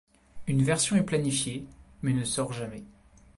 Une version est planifiée mais ne sort jamais.